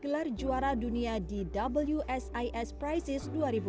gelar juara dunia di wsis prices dua ribu dua puluh